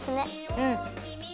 うん。